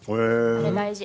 あれ大事。